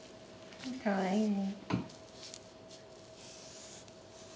かわいいね。